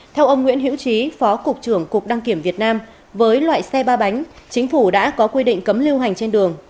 theo ông nguyễn hiễu trí phó cục trưởng cục đăng kiểm việt nam với loại xe ba bánh chính phủ đã có quy định cấm lưu hành trên đường